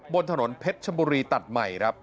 บนถนนเพชรชำโบรีตัดใหม่